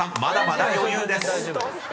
まだまだ余裕です］